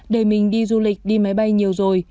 đời mình đi du lịch đi máy bay nhiều rồi